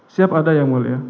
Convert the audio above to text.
siap ada ya mulia